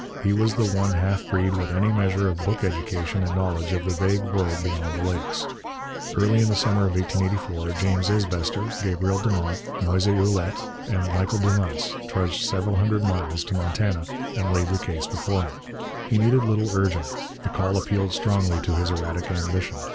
He was the one half breed with any measure of book education and knowledge of the vague world beyond the Lakes. Early in the summer of 1884 James Isbester, Gabriel Dumont, Moise Ouellette, and Michel Dumas trudged seven hundred miles to Montana, and laid their case before him. He needed little urging. The call appealed strongly to his erratic ambition.